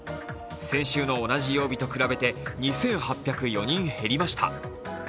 先週の同じ曜日と比べて２８０４人減りました。